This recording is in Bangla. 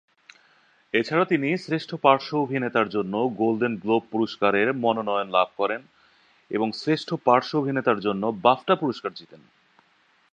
এছাড়া তিনি শ্রেষ্ঠ পার্শ্ব অভিনেতার জন্য গোল্ডেন গ্লোব পুরস্কারের মনোনয়ন লাভ করেন এবং শ্রেষ্ঠ পার্শ্ব অভিনেতার জন্য বাফটা পুরস্কার জিতেন।